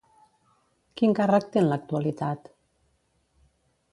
Quin càrrec té en l'actualitat?